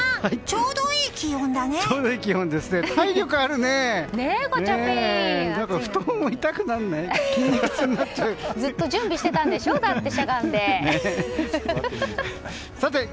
ちょうどいい気温ですね。